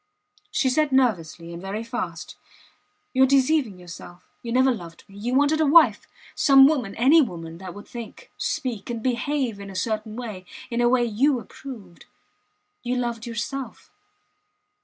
She said nervously, and very fast: You are deceiving yourself. You never loved me. You wanted a wife some woman any woman that would think, speak, and behave in a certain way in a way you approved. You loved yourself.